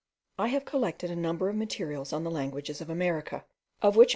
I have collected a number of materials on the languages of America, of which MM.